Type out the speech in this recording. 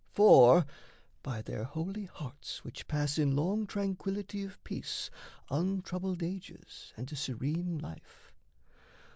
For by their holy hearts Which pass in long tranquillity of peace Untroubled ages and a serene life!